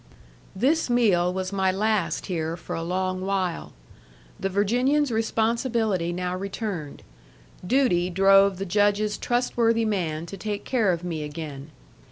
This meal was my last here for a long while. The Virginian's responsibility now returned; duty drove the Judge's trustworthy man to take care of me again.